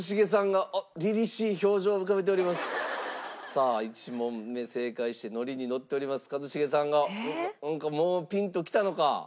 さあ１問目正解してノリにノッております一茂さんがもうピンときたのか？